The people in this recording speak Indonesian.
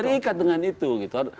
terikat dengan itu